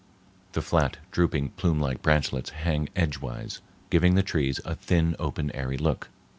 The flat, drooping, plume like branchlets hang edgewise, giving the trees a thin, open, airy look.